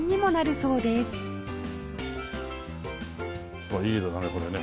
すごいいい色だねこれね。